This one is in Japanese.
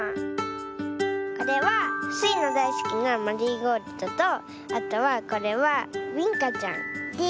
これはスイのだいすきなマリーゴールドとあとはこれはビンカちゃんです。